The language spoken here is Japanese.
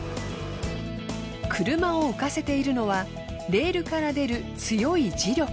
車を浮かせているのはレールから出る強い磁力。